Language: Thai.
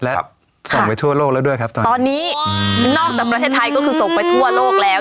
และส่งไปทั่วโลกแล้วด้วยครับตอนนี้นอกจากประเทศไทยก็คือส่งไปทั่วโลกแล้ว